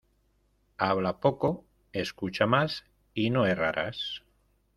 Habla poco, escucha más y no errarás.